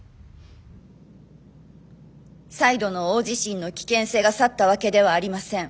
再度の大地震の危険性が去ったわけではありません。